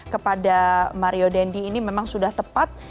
kepada mario dendi ini memang sudah tepat